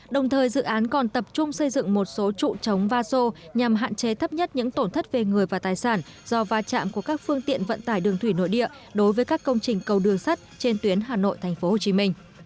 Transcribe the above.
đồng thời dự án còn tập trung xây dựng một số trụ trống va sô nhằm hạn chế thấp nhất những tổn thất về người và tài sản do va chạm của các phương tiện vận tải đường thủy nội địa đối với các công trình cầu đường sắt trên tuyến hà nội tp hcm